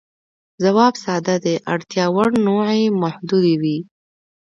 ځواب ساده دی، اړتیا وړ نوعې محدودې وې.